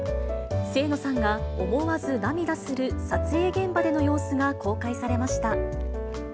清野さんが思わず涙する撮影現場での様子が公開されました。